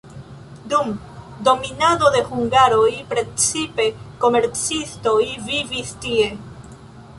Dum dominado de hungaroj precipe komercistoj vivis tie.